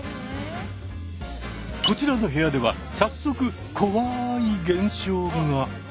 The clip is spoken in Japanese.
こちらの部屋では早速怖い現象が。